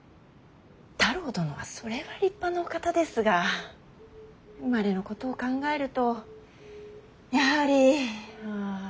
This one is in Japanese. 太郎殿はそれは立派なお方ですが生まれのことを考えるとやはりあ。